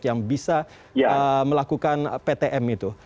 yang bisa melakukan ptm itu